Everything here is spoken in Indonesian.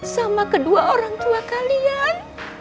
sama kedua orang tua kalian